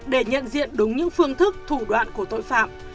để nhận diện đúng những phương thức thủ đoạn của tội phạm